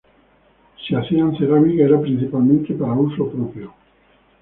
Si hacían cerámica era principalmente para uso propio.